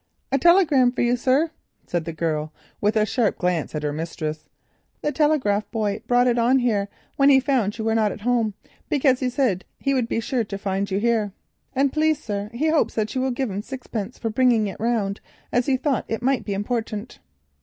"A telegram for you, sir," said the girl with a sharp glance at her mistress. "The telegraph boy brought it on here, when he heard that you were not at home, because he said he would be sure to find you here—and please, sir, he hopes that you will give him sixpence for bringing it round, as he thought it might be important."